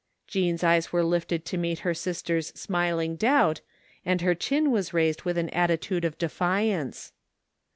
Jean's eyes were lifted to meet her sister's smiling doubt, and her chin was raised with an attitude of defiance.